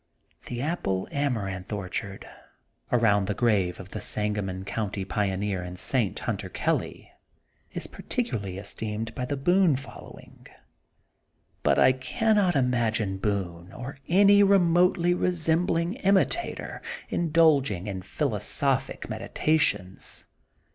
*^The Amaranth Apple orchard, around the grave of the Sangamon County pioneer and saint, Hunter Kelly, is particularly es teemed by the Boone following. But I cannot imagine Boone or any re motely resembling imitator indulging in phil osophic meditations.